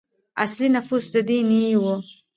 اصلي نفوس د دې نیيي وو.